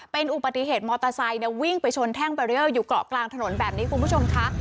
เป็นอุบัติเหตุมอเตอร์ไซค์วิ่งไปชนแท่งบารีเออร์อยู่เกาะกลางถนนแบบนี้คุณผู้ชมค่ะ